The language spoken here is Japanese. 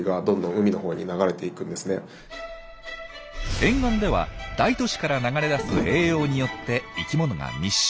沿岸では大都市から流れ出す栄養によって生きものが密集。